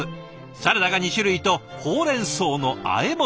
サラダが２種類とほうれんそうのあえ物。